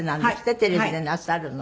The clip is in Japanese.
テレビでなさるの。